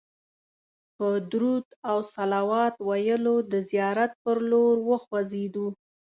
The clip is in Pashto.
په درود او صلوات ویلو د زیارت پر لور وخوځېدو.